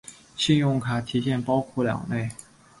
信用卡提现包括两类。